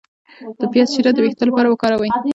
د پیاز شیره د ویښتو لپاره وکاروئ